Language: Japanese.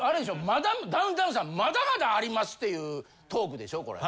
まだダウンタウンさんまだまだありますっていうトークでしょこれ。